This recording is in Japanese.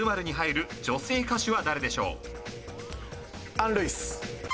アン・ルイス。